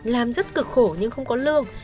làm rất cực khổ nhưng không có lương